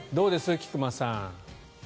菊間さん。